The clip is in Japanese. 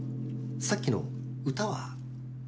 さっきの歌は？